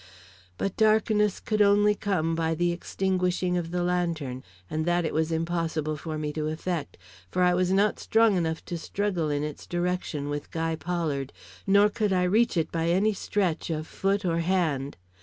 But darkness could only come by the extinguishing of the lantern, and that it was impossible for me to effect; for I was not strong enough to struggle in its direction with Guy Pollard, nor could I reach it by any stretch of foot or hand.